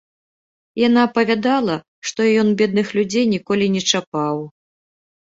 Яна апавядала, што ён бедных людзей ніколі не чапаў.